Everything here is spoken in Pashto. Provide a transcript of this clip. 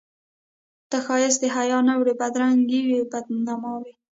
ته ښایست د حیا نه وې بدرنګي وې بد نما وې